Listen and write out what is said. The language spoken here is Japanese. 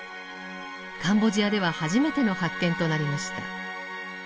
カンボジアでは初めての発見となりました。